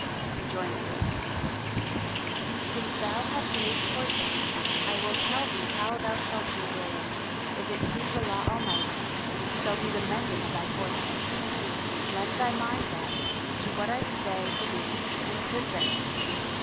Rejoined the ape, "Since thou hast made choice of me, I will tell thee how thou shalt do wherein, if it please Allah Almighty, shall be the mending of thy fortune. Lend thy mind, then, to what I say to thee and 'tis this!